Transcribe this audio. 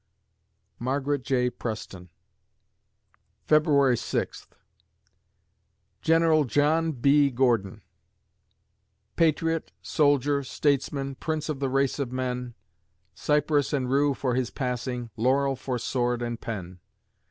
MARGARET J. PRESTON February Sixth GENERAL JOHN B. GORDON Patriot, soldier, statesman, Prince of the race of men; Cypress and rue for his passing, Laurel for sword and pen.